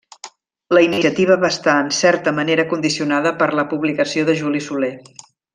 La iniciativa va estar en certa manera condicionada per la publicació de Juli Soler.